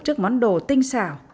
trước món đồ tinh xào